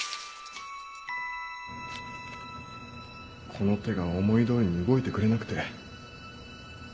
この手が思い通りに動いてくれなくて。